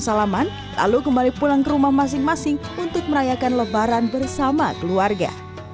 salaman lalu kembali pulang ke rumah masing masing untuk merayakan lebaran bersama keluarga